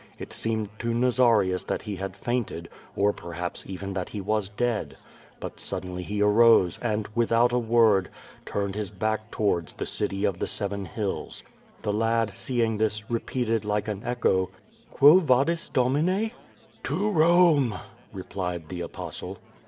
It seemed to Nazarius that he had fainted, or perhaps even that he was dead. But suddenly he arose, and, without a word, turned back towards the City of the Seven Hills. The lad, seeing this, repeated like an echo: "Quo Vadis, Domine?" "To Rome," replied the Apostle.